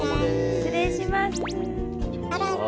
失礼します。